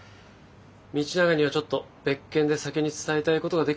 道永にはちょっと別件で先に伝えたいことが出来てね。